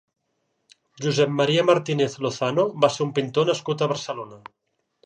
Josep Maria Martínez Lozano va ser un pintor nascut a Barcelona.